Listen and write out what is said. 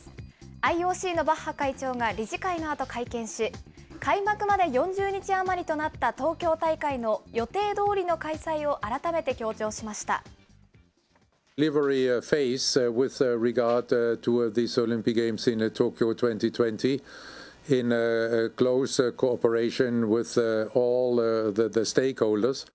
ＩＯＣのバッハ会長が理事会のあと会見し、開幕まで４０日余りとなった東京大会の予定どおりの開催を改めて強調しました。